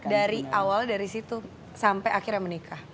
dari awal dari situ sampai akhirnya menikah